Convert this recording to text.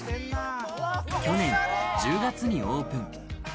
去年１０月にオープン。